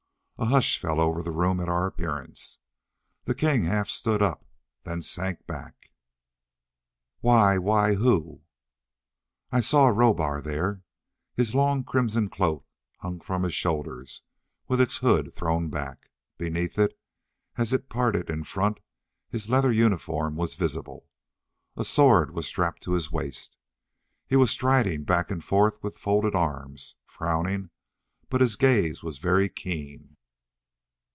A hush fell over the room at our appearance. The king half stood up, then sank back. "Why why who " I saw Rohbar here. His long crimson cloak hung from his shoulders, with its hood thrown back. Beneath it, as it parted in front, his leather uniform was visible. A sword was strapped to his waist. He was striding back and forth with folded arms, frowning, but his gaze was very keen.